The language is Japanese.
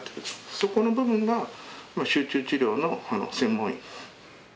そこの部分が集中治療の専門医。